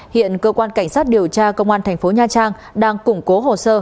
hiện cơ quan cảnh sát điều tra công an thành phố nha trang đang củng cố hồ sơ